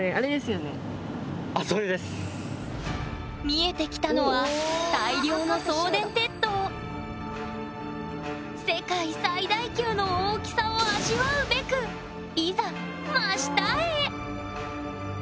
見えてきたのは世界最大級の大きさを味わうべくいざ真下へ！